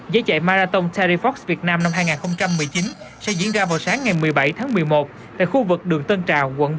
giải chạy marathon terry fox việt nam năm hai nghìn một mươi chín sẽ diễn ra vào sáng ngày một mươi bảy tháng một mươi một tại khu vực đường tân trào quận bảy thành phố hồ chí minh